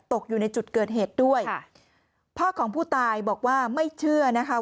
อยู่ในจุดเกิดเหตุด้วยค่ะพ่อของผู้ตายบอกว่าไม่เชื่อนะคะ